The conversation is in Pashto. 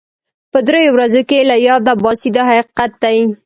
په دریو ورځو کې یې له یاده باسي دا حقیقت دی.